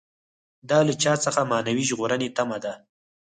دا له چا څخه معنوي ژغورنې تمه ده.